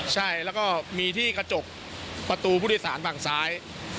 ใช่แล้วก็มีที่กระจกประตูผู้โดยสารฝั่งซ้าย